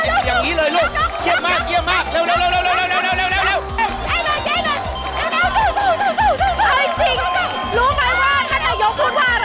ช้ามากลูก